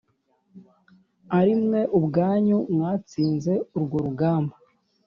ari mwe ubwanyu mwatsinze urwo rugamba